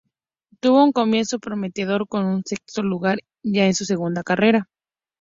Tuvo un comienzo prometedor, con un sexto lugar ya en su segunda carrera.